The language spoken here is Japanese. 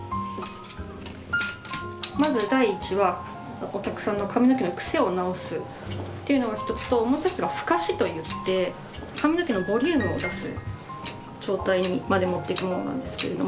まず第一はお客さんの髪の毛の癖を直すというのが一つともう一つが「ふかし」といって髪の毛のボリュームを出す状態にまで持っていくものなんですけれども。